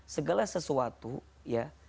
segala sesuatu ya